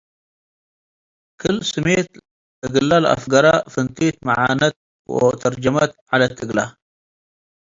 ክል-ስሜት እግለ ለአፈግረ ፍንቲት መዕነት ወተርጀመት ዐለት እግለ ።